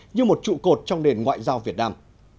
như một trụ cột trong nền ngoại giao việt nam